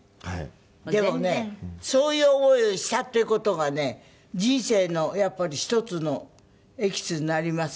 でもねそういう思いをしたっていう事がね人生のやっぱり一つのエキスになります。